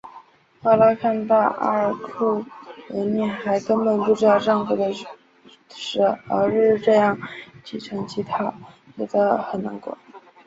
赫拉看到阿尔库俄涅还根本不知道丈夫的死而日日这样虔诚祈祷觉得很难过。